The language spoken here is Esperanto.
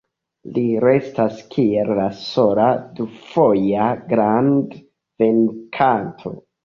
Li restas kiel la sola du-foja grand-venkanto.